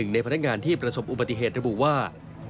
ในพนักงานที่ประสบอุบัติเหตุระบุว่า